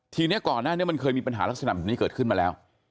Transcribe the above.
ทีนี้ก่อนหน้านี้มันเคยมีปัญหาลักษณะแบบนี้เกิดขึ้นมาแล้ว